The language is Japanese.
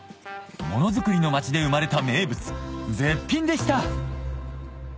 物づくりの町で生まれた名物絶品でした！